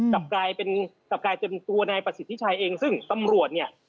กลับกลายเป็นกลับกลายเป็นตัวนายประสิทธิชัยเองซึ่งตำรวจเนี่ย